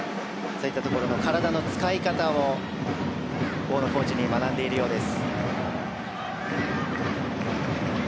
そういったところの体の使い方を大野コーチに学んでいるようです。